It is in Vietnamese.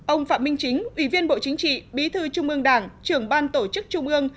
ông phạm minh chính ủy viên bộ chính trị bí thư trung ương đảng trưởng ban tổ chức trung ương